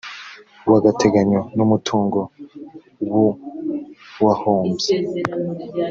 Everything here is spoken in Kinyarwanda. w agateganyo n umutungo w uwahombye